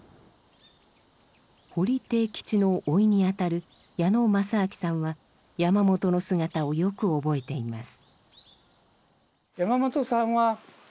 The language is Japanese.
堀悌吉の甥にあたる矢野正昭さんは山本の姿をよく覚えています。